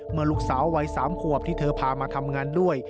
เมื่อลูกสาววัย๓ขวบที่เธอพามาทำงานด้วย